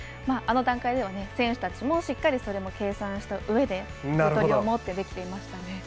あの段階では選手たちもしっかりそれも計算したうえで、ゆとりを持ってできていましたね。